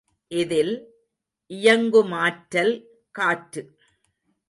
இதில் இயங்குமாற்றல் காற்று.